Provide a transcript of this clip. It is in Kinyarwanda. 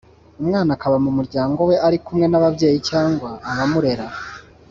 umwana akaba mu muryango we ari kumwe n’ababyeyi cyangwa abamurera